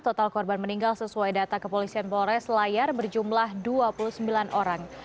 total korban meninggal sesuai data kepolisian polres layar berjumlah dua puluh sembilan orang